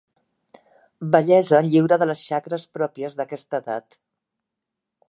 Vellesa lliure de les xacres pròpies d'aquesta edat.